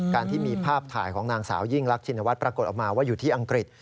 การที่มีภาพถ่ายของนางสาวยิ่งรักชินวัฒน์ปรากฏออกมาว่าอยู่ที่อังกฤษ